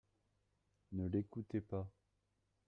Ne l’écoutez pas.